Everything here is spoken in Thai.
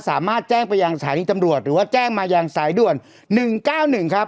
สามารถแจ้งไปยังสายที่จำรวจหรือว่าแจ้งมายังสายด้วนหนึ่งเก้าหนึ่งครับ